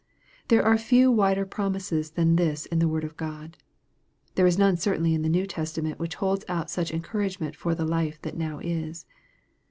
There are few wider promises than this in the word of God. There is none certainly in the New Testament which holds out such encouragement for the life that now is.